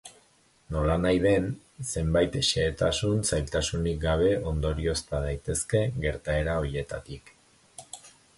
Nolanahi den, zenbait xehetasun zailtasunik gabe ondoriozta daitezke gertaera horietatik.